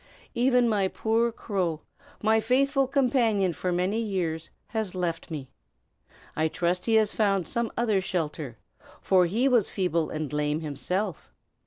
Even my poor crow, my faithful companion for many years, has left me. I trust he has found some other shelter, for he was feeble and lame, himself."